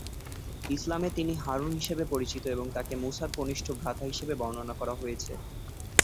ইসলামে তিনি হারুন হিসেবে পরিচিত এবং তাঁকে মুসার কনিষ্ঠ ভ্রাতা হিসাবে বর্ণনা করা হয়েছে।